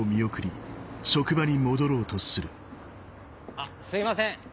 ・あっすいません・